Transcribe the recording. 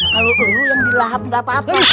kalo lu yang dilahap gapapa